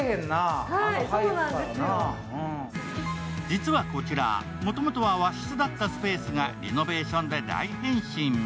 実はこちら、もともとは和室だったスペースがリノベーションで大変身。